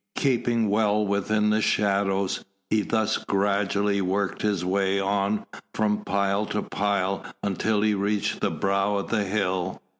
Keeping well within the shadows, he thus gradually worked his way on from pile to pile until he reached the brow of the hill.